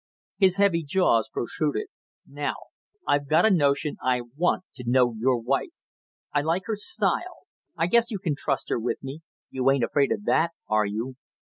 His heavy jaws protruded. "Now, I've a notion I want to know your wife. I like her style. I guess you can trust her with me you ain't afraid of that, are you?"